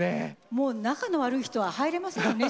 もう仲の悪い人は入れませんね